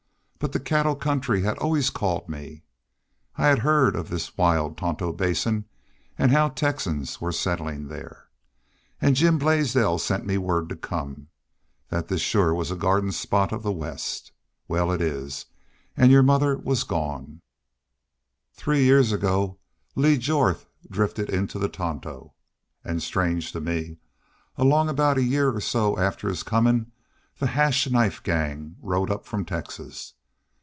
But the cattle country had always called me. I had heard of this wild Tonto Basin an' how Texans were settlin' there. An' Jim Blaisdell sent me word to come that this shore was a garden spot of the West. Wal, it is. An' your mother was gone "Three years ago Lee Jorth drifted into the Tonto. An', strange to me, along aboot a year or so after his comin' the Hash Knife Gang rode up from Texas.